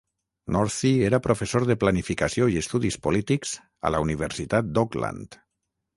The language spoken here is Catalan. Northey era professor de Planificació i Estudis polítics a la Universitat d"Auckland.